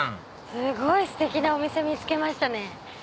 すごいステキなお店見つけましたね。